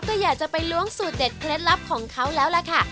ก็อยากจะไปล้วงสูตรเด็ดเคล็ดลับของเขาแล้วล่ะค่ะ